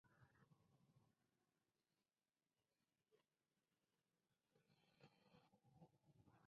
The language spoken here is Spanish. Estas tiendas están operadas por licencia de Sumitomo Corporation.